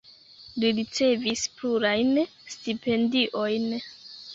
Li ricevis plurajn stipendiojn.